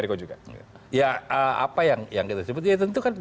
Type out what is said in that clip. lg aapa yang ingin yang sudah bentuk water